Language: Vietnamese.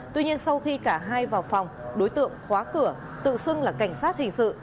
tuy nhiên sau khi cả hai vào phòng đối tượng khóa cửa tự xưng là cảnh sát hình sự